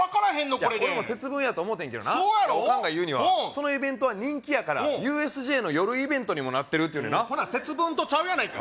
これで俺も節分やと思てんけどなそうやろオカンが言うにはそのイベントは人気やからＵＳＪの夜イベントにもなってるって言うねんなほな節分とちゃうやないか